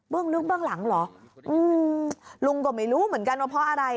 นึกเบื้องหลังเหรออืมลุงก็ไม่รู้เหมือนกันว่าเพราะอะไร